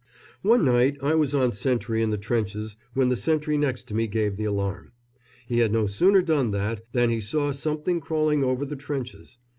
One night I was on sentry in the trenches when the sentry next to me gave the alarm. He had no sooner done that than he saw something crawling over the trenches.